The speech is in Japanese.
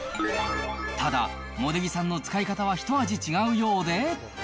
ただ、茂出木さんの使い方はひと味違うようで。